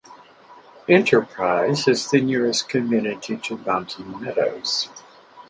Enterprise is the nearest community to Mountain Meadows.